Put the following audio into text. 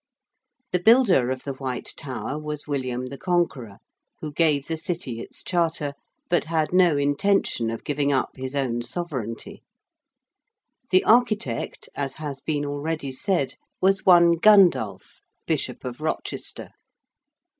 The builder of the White Tower was William the Conqueror, who gave the City its Charter but had no intention of giving up his own sovereignty; the architect, as has been already said, was one Gundulph, Bishop of Rochester.